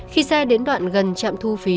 khi xe đến đoạn gần chạm thu phí